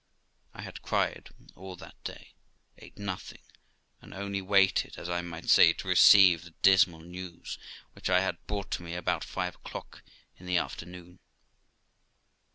I had cried all that day, ate nothing, and only waited, as I might say, to receive the dismal news, which I had brought to me about five o'clock in the afternoon.